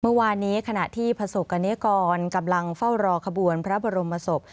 เมื่อวานนี้ขณะที่ประสบกรณิกรกำลังเฝ้ารอขบวนพระบรมศพ